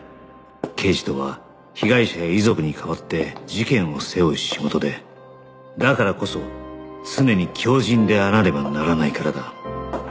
刑事とは被害者や遺族に代わって事件を背負う仕事でだからこそ常に強靱であらねばならないからだ